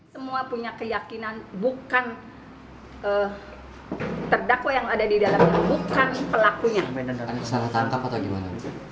semua punya keyakinan bukan terdakwa yang ada di dalamnya bukan pelakunya